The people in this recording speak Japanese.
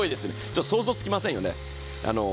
ちょっと想像つきませんよね。